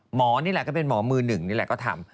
หมอนี่แหละก็เป็นหมอมือหนึ่งนี่แหละก็ทำ